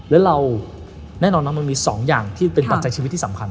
และเราแน่นอนว่ามันมี๒อย่างที่เป็นปัจจัยชีวิตที่สำคัญ